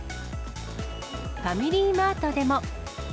ファミリーマートでも。